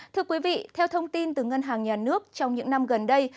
thưa quý vị theo thông tin từ ngân hàng nhà nước trong những năm gần đây